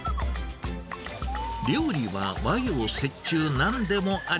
料理は和洋折衷なんでもあり。